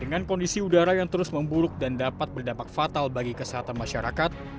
dengan kondisi udara yang terus memburuk dan dapat berdampak fatal bagi kesehatan masyarakat